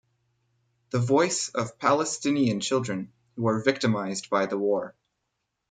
The voice of Palestinian children, who are victimized by the war.